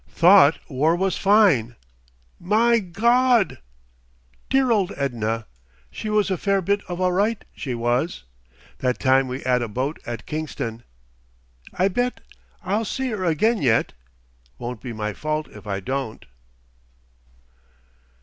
Thought war was fine. My Gawd!... "Dear old Edna. She was a fair bit of all right she was. That time we 'ad a boat at Kingston.... "I bet I'll see 'er again yet. Won't be my fault if I don't."...